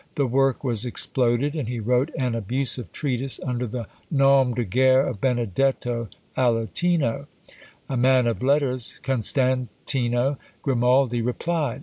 The work was exploded, and he wrote an abusive treatise under the nom de guerre of Benedetto Aletino. A man of letters, Constantino Grimaldi, replied.